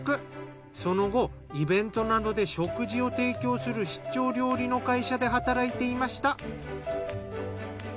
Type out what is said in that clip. その後イベントなどで食事を提供する出張料理の会社で働いていました。